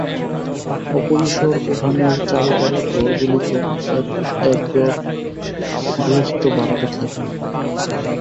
অপরিসর উঠানের চারিধারের ঘরগুলিতে এক-একঘর গৃহস্থ ভাড়াটে থাকে।